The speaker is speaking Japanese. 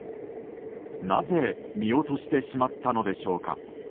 なぜ見落としてしまったのでしょうか。